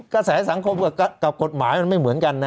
กระแสสังคมกับกฎหมายมันไม่เหมือนกันนะ